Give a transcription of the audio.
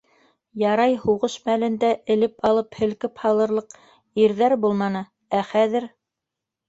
Ярай, һуғыш мәлендә элеп алып, һелкеп һалырлыҡ ирҙәр булманы, ә хәҙер...